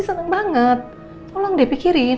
seneng banget tolong deh pikirin